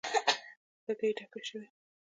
بګۍ ډکې شوې.